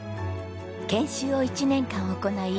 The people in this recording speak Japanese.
研修を１年間行い